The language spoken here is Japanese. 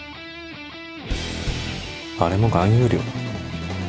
あれも含有量？